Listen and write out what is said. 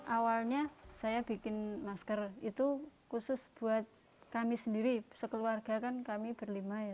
awalnya saya bikin masker itu khusus buat kami sendiri sekeluarga kan kami berlima ya